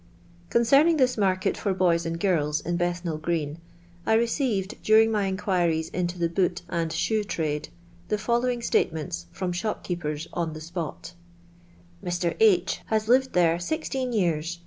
Oonceming this market for boyt and girls, in Bethnal green, I received, daring mj inquiries into the boot and shoe trade, the following state ments from shopkeepers on the spot :— "Mr. H has lived there sixteen years.